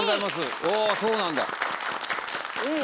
おそうなんだ。